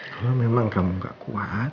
kalau memang kamu gak kuat